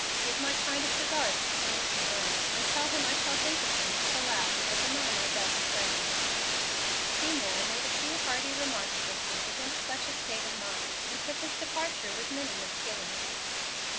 Give my kindest regards to Mr. Burnett, and tell him I shall think of him to the last as among my best friends." Seymour made a few hearty remonstrances against such a state of mind, and took his departure with many misgivings.